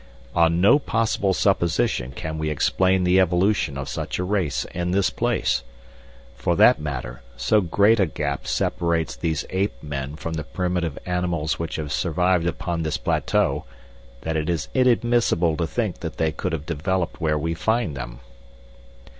On no possible supposition can we explain the evolution of such a race in this place. For that matter, so great a gap separates these ape men from the primitive animals which have survived upon this plateau, that it is inadmissible to think that they could have developed where we find them."